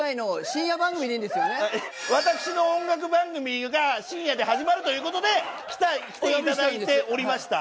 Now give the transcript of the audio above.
私の音楽番組が深夜で始まるということで来ていただいておりました。